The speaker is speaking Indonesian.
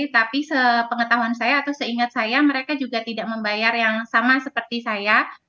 tapi sepengetahuan saya atau seingat saya mereka juga tidak membayar yang sama seperti saya